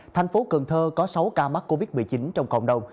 thành phố cần thơ có sáu ca mắc covid một mươi chín trong cộng đồng